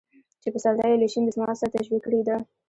چې پسرلى يې له شين دسمال سره تشبيه کړى دى .